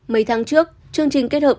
mấy tháng trước chương trình kết hợp